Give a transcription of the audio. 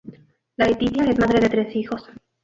Laetitia es madre de tres hijos.